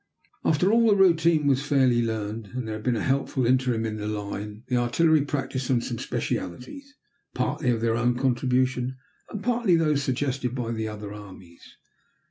After all the routine was fairly learned, and there had been a helpful interim in the line, the artillery practised on some specialties, partly of their own contribution, and partly those suggested by the other armies.